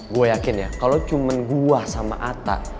gue yakin ya kalau cuma gue sama ata